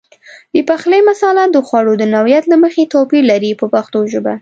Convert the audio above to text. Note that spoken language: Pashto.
د پخلي مساله د خوړو د نوعیت له مخې توپیر لري په پښتو ژبه.